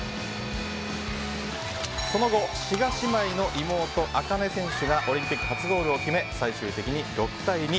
その後、志賀姉妹の妹・紅音選手がオリンピック初ゴールを決め最終的に６対２。